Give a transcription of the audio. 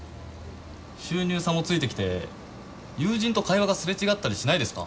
収入差もついてきて友人と会話がすれ違ったりしないですか？